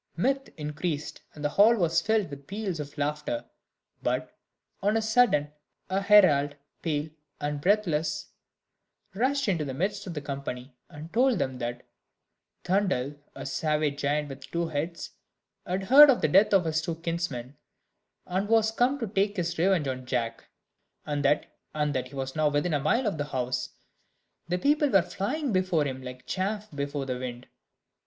Mirth increased, and the hall was filled with peals of laughter. But, on a sudden, a herald, pale and breathless, rushed into the midst of the company, and told them that Thundel, a savage giant with two heads, had heard of the death of his two kinsmen, and was come to take his revenge on Jack; and that he was now within a mile of the house, the people flying before him like chaff before the wind.